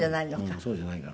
そうじゃないから。